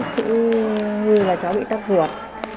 sử dụng như là cháu bị tắc ruột